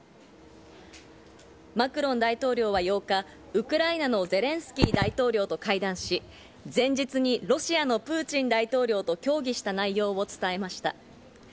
マクロン大統領は８日、ウクライナのゼレンスキー大統領と会談し、前日にロシアのプーチン大統領と協議した内容を伝えました。